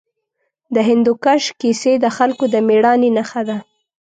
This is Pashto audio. د هندوکش کیسې د خلکو د مېړانې نښه ده.